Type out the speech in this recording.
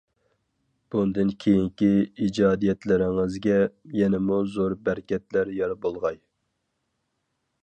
بۇندىن كېيىنىكى ئىجادىيەتلىرىڭىزگە يەنىمۇ زور بەرىكەتلەر يار بولغاي!